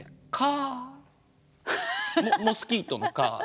モスキートの蚊。